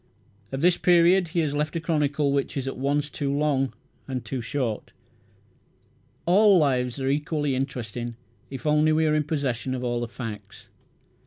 Of this period he has left a chronicle which is at once too long and too short. All lives are equally interesting if only we are in possession of all the facts.